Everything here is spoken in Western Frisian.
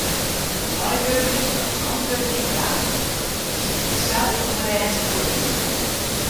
De meiwurkers beäntwurdzje fragen en besykje sa de ûnrêst fuort te nimmen.